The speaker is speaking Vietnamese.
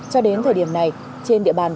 cho đến thời điểm này trên địa bàn